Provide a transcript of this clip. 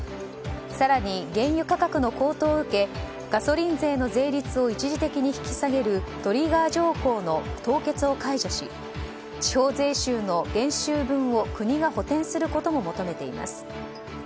更に、原油価格の高騰を受けガソリン税の税率を一時的に引き下げるトリガー条項の凍結を解除し地方税収の減収分を国が補填することも求めています。